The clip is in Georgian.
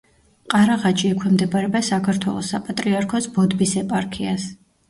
ყარაღაჯი ექვემდებარება საქართველოს საპატრიარქოს ბოდბის ეპარქიას.